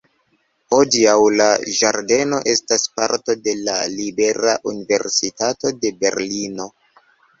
Hodiaŭ, la ĝardeno estas parto de la Libera Universitato de Berlino.